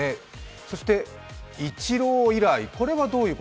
そしてイチロー以来とは？